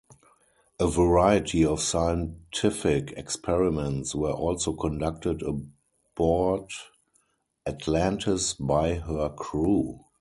A variety of scientific experiments were also conducted aboard "Atlantis" by her crew.